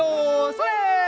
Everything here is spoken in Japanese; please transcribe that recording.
それ！